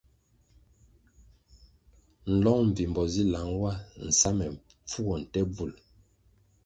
Lõng mbvimbo zi lang wa nsa ma pfuó nte bvul.